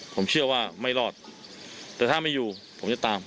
ผมเชื่อว่าไม่รอดแต่ถ้าไม่อยู่ผมจะตามเป็นรอยเท้า